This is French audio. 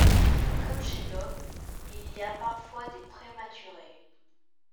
Comme chez l'homme, il y a parfois des prématurés.